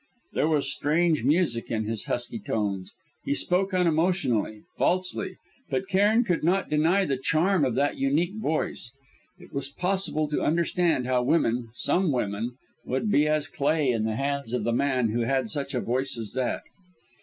There was strange music in his husky tones. He spoke unemotionally, falsely, but Cairn could not deny the charm of that unique voice. It was possible to understand how women some women would be as clay in the hands of the man who had such a voice as that.